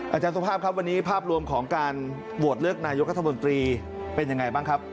อาจารย์สุภาพครับวันนี้ภาพรวมของการโหวตเลือกนายกัธมนตรีเป็นยังไงบ้างครับ